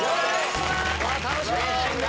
楽しみ！